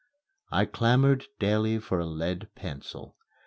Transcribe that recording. I clamored daily for a lead pencil.